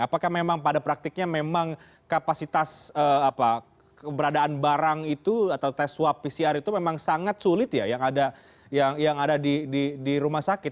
apakah memang pada praktiknya memang kapasitas keberadaan barang itu atau tes swab pcr itu memang sangat sulit ya yang ada di rumah sakit